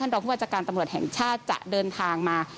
รองผู้บัญชาการตำรวจแห่งชาติจะเดินทางมา